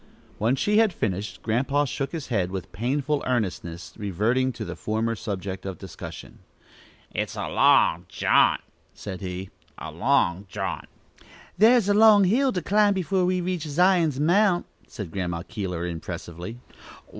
When she had finished, Grandpa shook his head with painful earnestness, reverting to the former subject of discussion. "It's a long jaunt!" said he; "a long jaunt!" "Thar's a long hill to climb before we reach Zion's mount," said Grandma Keeler, impressively.